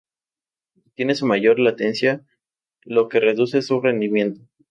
Tiene una mayor latencia, lo que reduce su rendimiento.